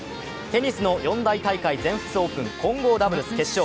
テニスの四大大会全仏オープン、混合ダブルス決勝。